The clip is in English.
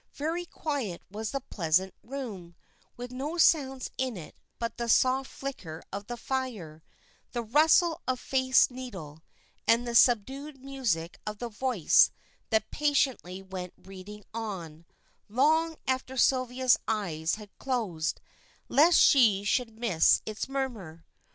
Very quiet was the pleasant room, with no sounds in it but the soft flicker of the fire, the rustle of Faith's needle, and the subdued music of the voice that patiently went reading on, long after Sylvia's eyes had closed, lest she should miss its murmur.